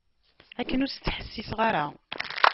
Akken ur s-ttḥessiseɣ ara.